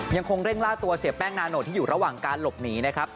ยังคงเร่งล่าตัวเสียแป้งนาโนตที่อยู่ระหว่างการหลบหนีนะครับ